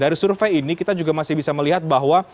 ini kita juga masih bisa melihat bahwa